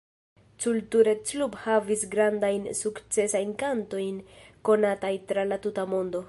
Culture Club havis grandajn sukcesajn kantojn konataj tra la tuta mondo.